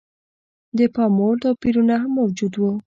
د پاموړ توپیرونه هم موجود و.